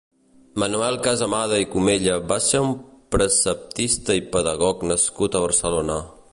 Manuel Casamada i Comella va ser un preceptista i pedagog nascut a Barcelona.